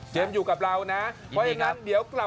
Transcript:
เจมส์อยู่กับเรานะ